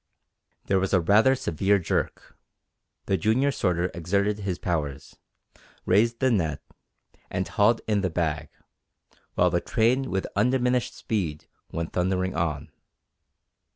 There was a rather severe jerk. The junior sorter exerted his powers, raised the net, and hauled in the bag, while the train with undiminished speed went thundering on.